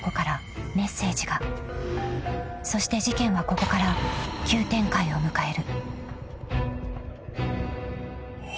［そして事件はここから急展開を迎える］